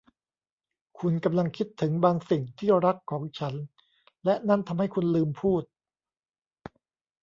คุณกำลังคิดถึงบางสิ่งที่รักของฉันและนั่นทำให้คุณลืมพูด